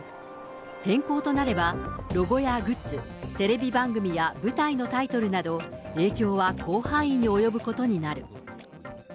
変更となれば、ロゴやグッズ、テレビ番組や舞台のタイトルなど、影響は広範囲に及ぶことになる。